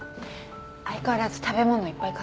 相変わらず食べ物いっぱい買ってる？